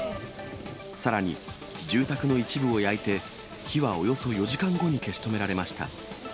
さらに、住宅の一部を焼いて、火はおよそ４時間後に消し止められました。